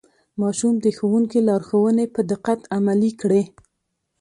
ماشوم د ښوونکي لارښوونې په دقت عملي کړې